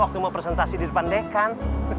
waktu mau presentasi di depan dekan